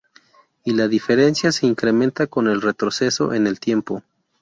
Y la diferencia se incrementa con el retroceso en el tiempo.